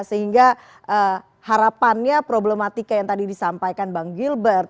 sehingga harapannya problematika yang tadi disampaikan bang gilbert